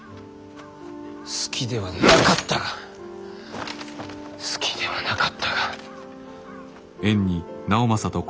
好きではなかったが好きではなかったが。